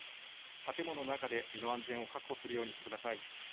建物の中で身の安全を確保するようにしてください。